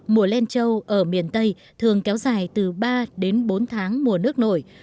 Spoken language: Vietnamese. mùa len trâu ở miền tây thường kéo dài từ ba đến bốn tháng mùa nước nổi